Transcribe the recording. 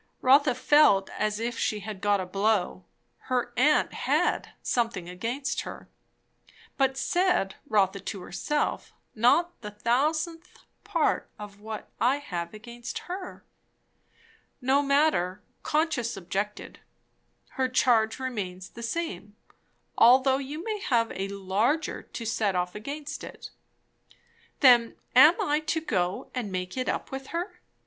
Rotha felt as if she had got a blow. Her aunt had "something against her." But, said Rotha to herself, not the thousandth part of what I have against her. No matter, conscience objected; her charge remains the same, although you may have a larger to set off against it. Then am I to go and make it up with her?